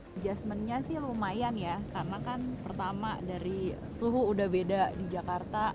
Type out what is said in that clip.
adjustmentnya sih lumayan ya karena kan pertama dari suhu udah beda di jakarta